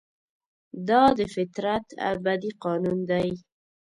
دا د فطرت ابدي قانون دی.